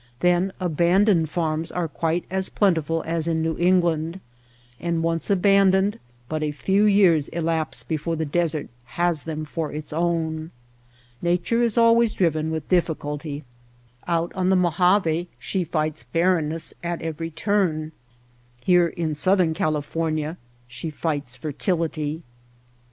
Then abandoned farms are quite as plentiful as in New England ; and once aban doned, but a few years elapse before the desert has them for its own. Nature is always driven with difficulty. Out on the Mojave she fights barrenness at every turn; here in Southern California she fights fertility.